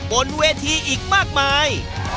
บนเวทีอีกมากมาย